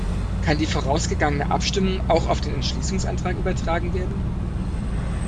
Kann die vorausgegangene Abstimmung auch auf den Entschließungsantrag übertragen werden?